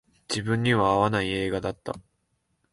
自分には合わない映画だった